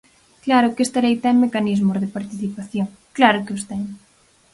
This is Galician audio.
Claro que esta lei ten mecanismos de participación, claro que os ten.